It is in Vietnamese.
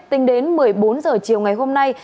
tính đến một mươi bốn h chiều ngày hôm nay